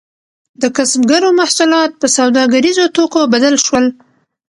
د کسبګرو محصولات په سوداګریزو توکو بدل شول.